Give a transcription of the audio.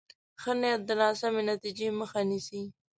ښه نیت د ناسمې نتیجې مخه نیسي.